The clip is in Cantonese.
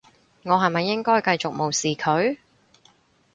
我係咪應該繼續無視佢？